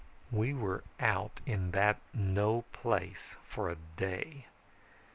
"We were out in that no place for a day.